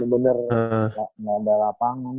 bener bener gak ada lapangan